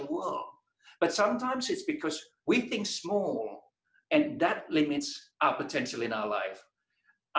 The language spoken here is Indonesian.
tapi kadang kadang kita berpikir kecil dan itu mengurangi potensi kita dalam hidup kita